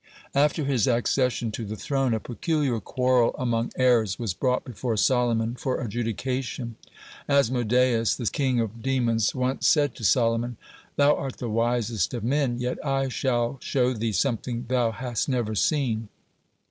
(27) After his accession to the throne, a peculiar quarrel among heirs was brought before Solomon for adjudication. Asmodeus, the king of demons, once said to Solomon: "Thou art the wisest of men, yet I shall show thee something thou hast never seen."